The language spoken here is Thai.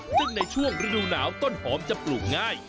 ซึ่งในช่วงฤดูหนาวต้นหอมจะปลูกง่าย